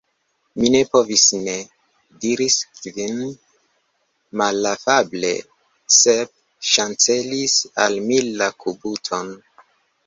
"Mi ne povis ne," diris Kvin malafable. "Sep ŝancelis al mi la kubuton."